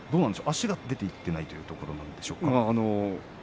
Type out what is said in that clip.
足が出ていかないというところなんでしょうか。